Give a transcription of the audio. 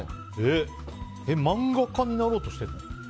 漫画家になろうとしてるの？